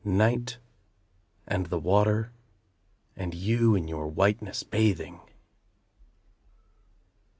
Night, and the water, and you in your whiteness, bathing!